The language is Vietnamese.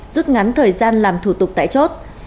rút ngắn thời gian làm thủ tục tại chốt